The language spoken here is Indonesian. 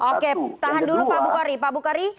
oke tahan dulu pak bukhari